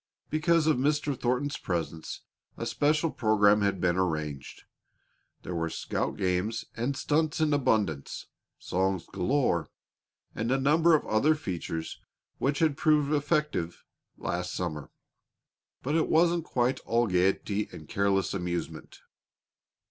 Because of Mr. Thornton's presence, a special program had been arranged. There were scout games and stunts in abundance, songs galore, and a number of other features which had proved effective last summer. But it wasn't quite all gaiety and careless amusement.